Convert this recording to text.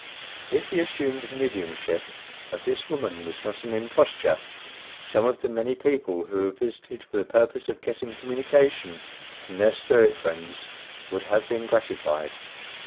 If the assumed "mediumship" of this woman was not an imposture, some of the many people who have visited her for the purpose of getting communications from their spirit friends would have been gratified.